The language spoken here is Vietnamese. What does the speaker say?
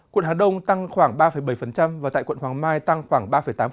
quận hà đông tăng khoảng ba bảy và tại quận hoàng mai tăng khoảng ba tám